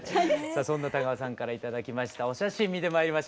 そんな田川さんから頂きましたお写真見てまいりましょう。